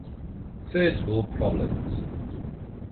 First world problems.